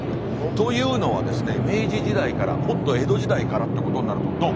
というのはですね明治時代からもっと江戸時代からってことになるとドン。